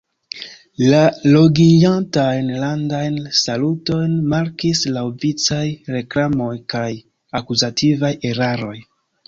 La longiĝantajn landajn salutojn markis laŭvicaj reklamoj kaj akuzativaj eraroj.